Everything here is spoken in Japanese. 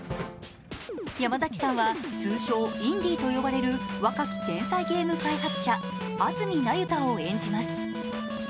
山崎さんは、通称・インディーと呼ばれる若き天才開発者安積那由他を演じます。